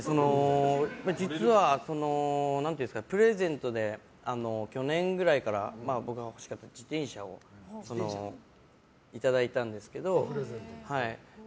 実は、プレゼントで去年ぐらいに僕が欲しかった自転車をいただいたんですけど。